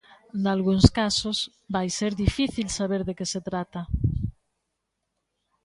Nalgúns casos vai ser difícil saber de que se trata.